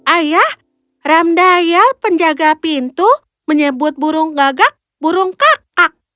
ayah ramdayal penjaga pintu menyebut burung gagak burung kakak